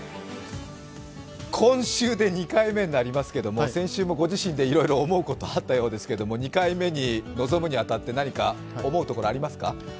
今週で２回目になりますけれども、先週もご自身でいろいろ思うことあったようですけども２回目に臨むに当たって何か思うところありますか？